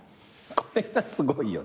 これがすごいよね。